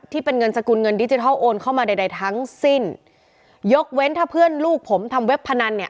ที่เป็นเงินสกุลเงินดิจิทัลโอนเข้ามาใดใดทั้งสิ้นยกเว้นถ้าเพื่อนลูกผมทำเว็บพนันเนี่ย